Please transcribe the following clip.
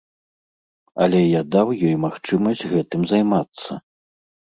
Але я даў ёй магчымасць гэтым займацца.